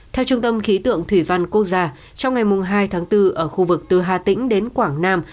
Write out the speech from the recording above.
theo trung tâm khí tượng thủy văn quốc gia trong ngày hai tháng bốn ở khu vực từ hà tĩnh đến quảng nam